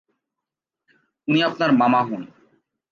উনি আপনার মামা হন।